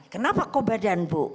kenapa kok badan bu